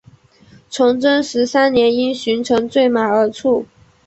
崇祯十三年因巡城坠马而卒。